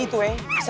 ya itu masalahnya dia